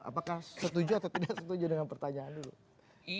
apakah setuju atau tidak setuju dengan pertanyaan dulu